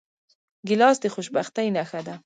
ګیلاس د خوشبختۍ نښه ده.